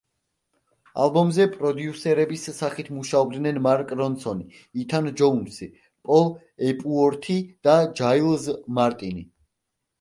ალბომზე პროდიუსერების სახით მუშაობდნენ მარკ რონსონი, ითან ჯოუნსი, პოლ ეპუორთი და ჯაილზ მარტინი.